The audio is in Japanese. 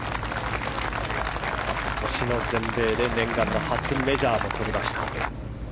今年の全米で、念願の初のメジャーもとりました。